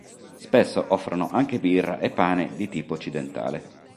Spesso offrono anche birra e pane di tipo occidentale.